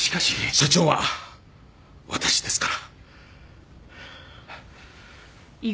社長は私ですから。